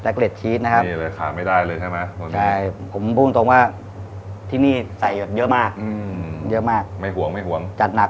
แซคเล็ตชีสนะครับผมพูดตรงว่าที่นี่ใส่เยอะมากเยอะมากจัดหนักคือเอาไม้จิ้มฟันกลัดเอาไว้ไม่ใช่เอาฟันปะ